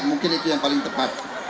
mungkin itu yang paling tepat